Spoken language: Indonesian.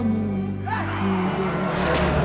buat istriku ya